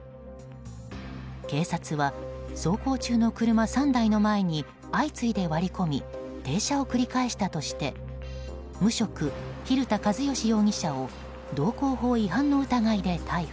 警察は、走行中の車３台の前に相次いで割り込み停車を繰り返したとして無職・蛭田和良容疑者を道交法違反の疑いで逮捕。